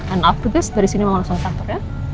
and after this dari sini mama langsung ke kantor ya